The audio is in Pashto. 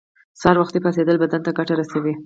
سهار وختی پاڅیدل بدن ته ګټه رسوی